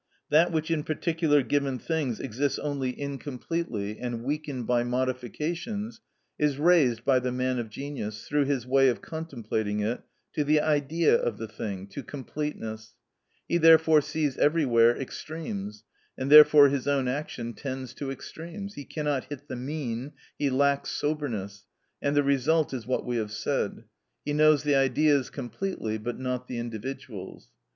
That which in particular given things exists only incompletely and weakened by modifications, is raised by the man of genius, through his way of contemplating it, to the Idea of the thing, to completeness: he therefore sees everywhere extremes, and therefore his own action tends to extremes; he cannot hit the mean, he lacks soberness, and the result is what we have said. He knows the Ideas completely but not the individuals.